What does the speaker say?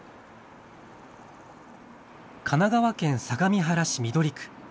神奈川県相模原市緑区。